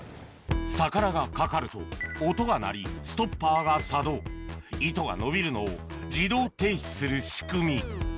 魚がかかると音が鳴り糸が伸びるのを自動停止する仕組み